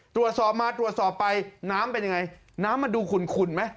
ตรวจสอบมาตรวจสอบไปน้ำเป็นยังไงน้ำมันดูขุ่นไหม